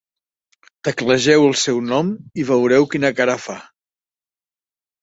Teclegeu el seu nom i veureu quina cara fa.